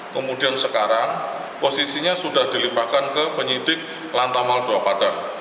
kemudian sekarang posisinya sudah dilimpahkan ke penyidik lantamal dua padang